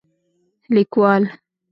لیکوال: